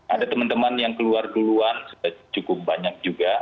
ada teman teman yang keluar duluan sudah cukup banyak juga